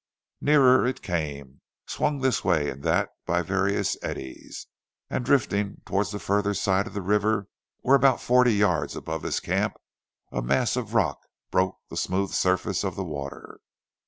Nearer it came, swung this way and that by various eddies, and drifting towards the further side of the river where about forty yards above his camp a mass of rock broke the smooth surface of the water.